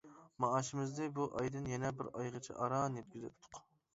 مائاشىمىزنى بۇ ئايدىن يەنە بىر ئايغىچە ئاران يەتكۈزەتتۇق.